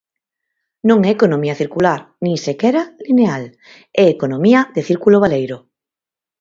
Non é economía circular, nin sequera lineal, é economía de círculo baleiro.